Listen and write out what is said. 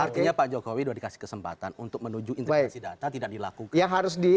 artinya pak jokowi sudah dikasih kesempatan untuk menuju integrasi data tidak dilakukan